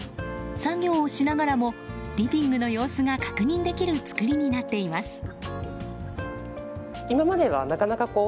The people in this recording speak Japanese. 作業をしながらもリビングの様子が確認できる造りになっています。